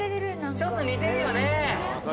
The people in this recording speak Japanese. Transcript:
ちょっと似てるよね。